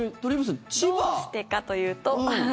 どうしてかというと。